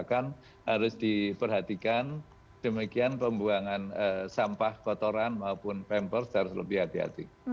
kan harus diperhatikan demikian pembuangan sampah kotoran maupun pampers harus lebih hati hati